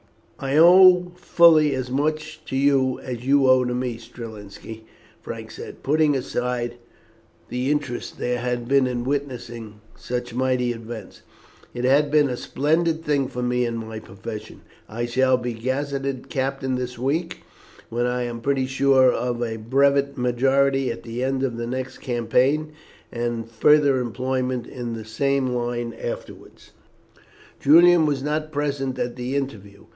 "I owe fully as much to you as you owe to me, Strelinski," Frank said. "Putting aside the interest there has been in witnessing such mighty events, it has been a splendid thing for me in my profession. I shall be gazetted captain this week, while I am pretty sure of a brevet majority at the end of the next campaign, and of further employment in the same line afterwards." Julian was not present at the interview.